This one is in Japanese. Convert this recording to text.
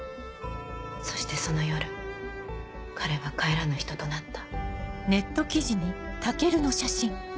そしてその夜彼は帰らぬ人となった。